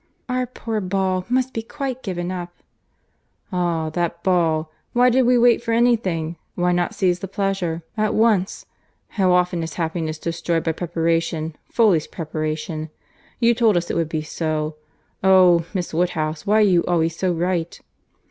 "Our poor ball must be quite given up." "Ah! that ball!—why did we wait for any thing?—why not seize the pleasure at once?—How often is happiness destroyed by preparation, foolish preparation!—You told us it would be so.—Oh! Miss Woodhouse, why are you always so right?"